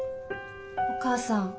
お母さん。